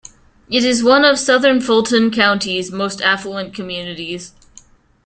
It is one of southern Fulton County's most affluent communities.